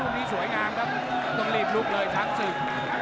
มันลีบลุกเลยจัทสึก